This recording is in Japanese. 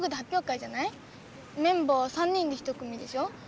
メンバー３人で一組でしょ。